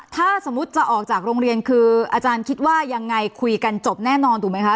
ถ้าสมมุติจะออกจากโรงเรียนคืออาจารย์คิดว่ายังไงคุยกันจบแน่นอนถูกไหมคะ